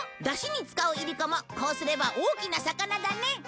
ダシに使ういりこもこうすれば大きな魚だね。